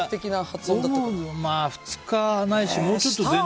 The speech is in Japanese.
僕も２日ないしもうちょっと全然。